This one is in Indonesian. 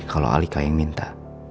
kalau halika yang minta